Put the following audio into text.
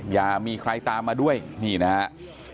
อย่ามีใครตามมาด้วยนี่นะครับ